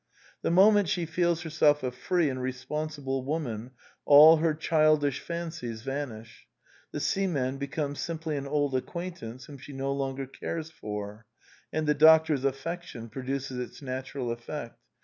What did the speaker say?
The moment she feels herself a free and responsi ble woman, all her childish fancies vanish: the seaman becomes simply an old acquaintance whom she no longer cares for; and the doctor's affec tion produces its natural effect.